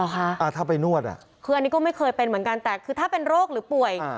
หรอคะคืออันนี้ก็ไม่เคยเป็นเหมือนกันแต่ถ้าเป็นโรคหรือป่วย